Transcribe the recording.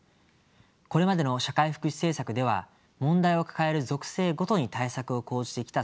これまでの社会福祉政策では問題を抱える属性ごとに対策を講じてきた側面があります。